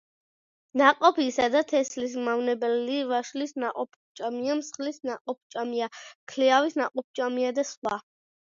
ნაყოფისა და თესლის მავნებელია ვაშლის ნაყოფჭამია, მსხლის ნაყოფჭამია, ქლიავის ნაყოფჭამია და სხვა.